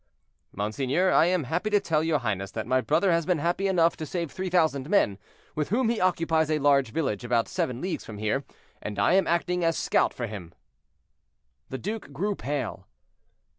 '" "Monseigneur, I am happy to tell your highness that my brother has been happy enough to save three thousand men, with whom he occupies a large village about seven leagues from here, and I am acting as scout for him." The duke grew pale.